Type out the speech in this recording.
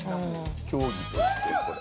競技としてこれ。